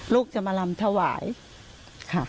ลูกจะมาลำถวายค่ะ